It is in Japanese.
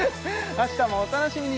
明日もお楽しみに！